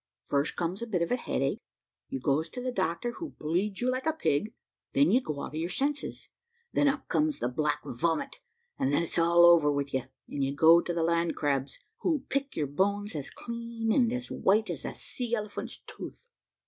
First comes a bit of a headache you goes to the doctor, who bleeds you like a pig then you go out of your senses then up comes the black vomit, and then it's all over with you, and you go to the land crabs, who pick your bones as clean and as white as a sea elephant's tooth.